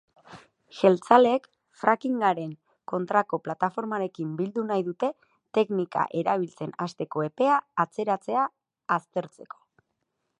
Jeltzaleek frackingaren kontrako plataformarekin bildu nahi dute teknika erabiltzen hasteko epea atzeratzea aztertzeko.